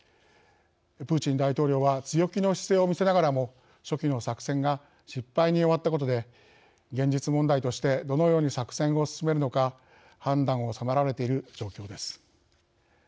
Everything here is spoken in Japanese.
プーチン大統領は強気の姿勢を見せながらも初期の作戦が失敗に終わったことで現実問題としてどのように作戦を進めるのか判断を迫られている状況です。